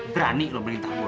berani lu minta gua